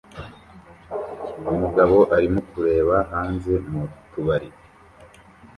Umugabo arimo kureba hanze mu tubari